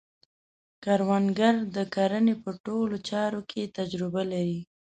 کروندګر د کرنې په ټولو چارو کې تجربه لري